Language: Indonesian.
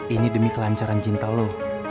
ini demi kelancaran cinta lo